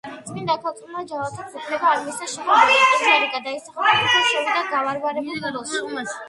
წმინდა ქალწულმა ჯალათებს უფლება არ მისცა, შეხებოდნენ, პირჯვარი გადაისახა და თვითონ შევიდა გავარვარებულ ღუმელში.